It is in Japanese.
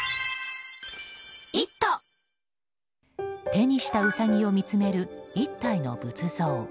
手にしたウサギを見つめる１体の仏像。